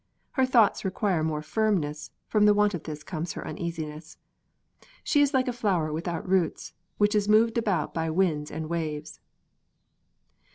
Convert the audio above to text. Her thoughts require more firmness; from the want of this comes her uneasiness. She is like a flower without roots, which is moved about by wind and waves."